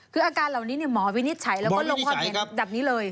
คืออาการเหล่านี้หมอวินิจฉัยแล้วก็ลงความเห็นแบบนี้เลย